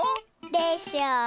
でしょう。